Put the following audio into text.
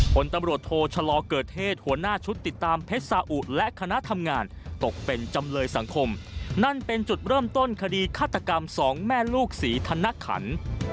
ผลตำรวจโทชะลอเกิดเทศหัวหน้าชุดติดตามเพชรสาอุและคณะทำงานตกเป็นจำเลยสังคมนั่นเป็นจุดเริ่มต้นคดีฆาตกรรมสองแม่ลูกศรีธนขัน